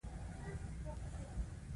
را پیدا شول.